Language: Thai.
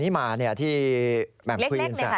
นี่แหละเธอเล่าให้ฟังว่าเธอได้กระดาษบัยนี้มาที่